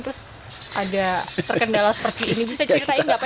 terus ada terkendala seperti ini bisa ceritain nggak pak